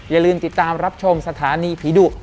อย่าลืมติดตามรับชมสถานีผีดุ